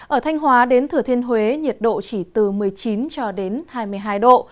ở thanh hóa đến thừa thiên huế nhiệt độ chỉ từ một mươi chín cho đến hai mươi hai độ